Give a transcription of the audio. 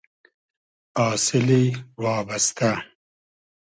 آسیلی وابئستۂ